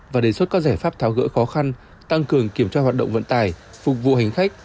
và đề xuất các giải pháp tháo gỡ khó khăn tăng cường kiểm tra hoạt động vận tải phục vụ hành khách